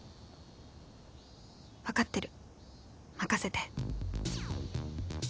わかってる任せて